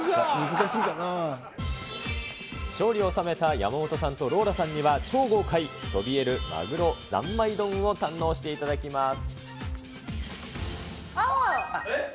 勝利を収めた山本さんとローラさんには、超豪快、そびえるマグロざんまい丼を堪能していただきます。